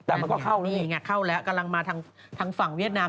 แต่มันก็เข้าแล้วนี่ไงเข้าแล้วกำลังมาทางฝั่งเวียดนาม